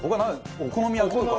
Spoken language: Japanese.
お好み焼きとか？